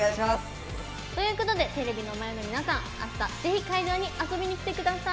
ということでテレビの前の皆さん明日是非会場に遊びに来て下さい。